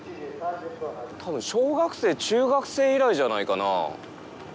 多分、小学生、中学生以来じゃないかなぁ。